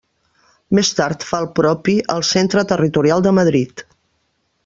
Més tard fa el propi al Centre Territorial de Madrid.